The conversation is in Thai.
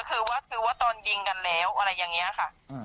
คือว่าคือว่าตอนยิงกันแล้วอะไรอย่างนี้ค่ะ